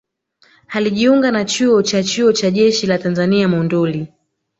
Alijiunga na Chuo cha Chuo cha Jeshi la Tanzania Monduli